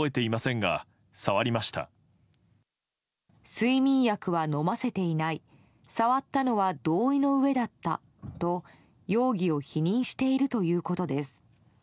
睡眠薬は飲ませていない触ったのは同意のうえだったと容疑を否認しているということです。